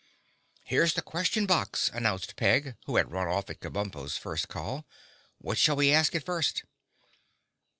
"Here's the Question Box," announced Peg, who had run off at Kabumpo's first call. "What shall we ask it first?"